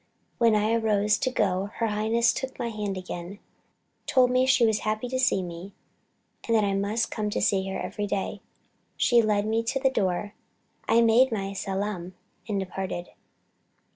When I arose to go, her highness took my hand again, told me she was happy to see me, and that I must come to see her every day. She led me to the door, I made my salam and departed.